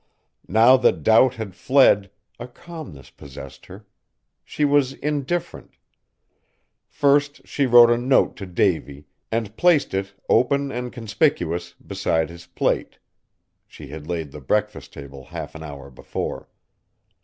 Now that doubt had fled, a calmness possessed her. She was indifferent. First she wrote a note to Davy and placed it, open and conspicuous, beside his plate; she had laid the breakfast table half an hour before.